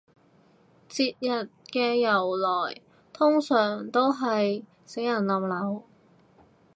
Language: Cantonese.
節日嘅由來通常都係死人冧樓